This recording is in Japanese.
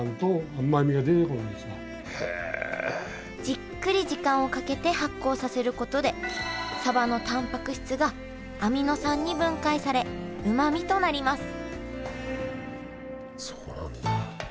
じっくり時間をかけて発酵させることでサバのたんぱく質がアミノ酸に分解されうまみとなります